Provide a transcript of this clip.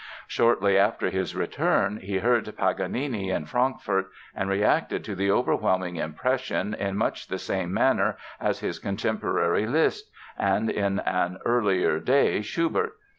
Shortly after his return he heard Paganini in Frankfort and reacted to the overwhelming impression in much the same manner as his contemporary, Liszt, and in an earlier day, Schubert.